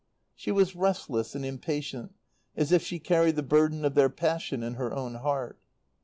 She was restless and impatient, as if she carried the burden of their passion in her own heart.